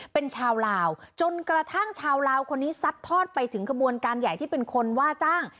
เป็นชาวลาวจนกระทั่งชาวลาวคนนี้ซัดทอดไปถึงขบวนการใหญ่ที่เป็นคนว่าจ้าง